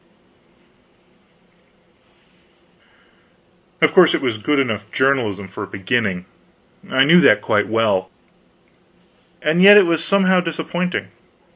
Of course it was good enough journalism for a beginning; I knew that quite well, and yet it was somehow disappointing.